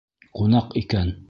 — Ҡунаҡ икән.